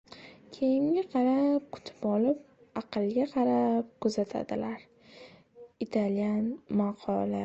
Kiyimga qarab kutib olib, aqlga qarab kuzatadilar. Italyan maqoli